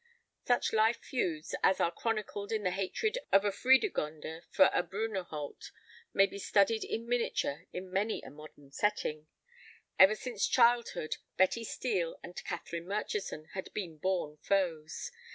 Such life feuds as are chronicled in the hatred of a Fredegonde for a Brunehaut may be studied in miniature in many a modern setting. Ever since childhood Betty Steel and Catherine Murchison had been born foes.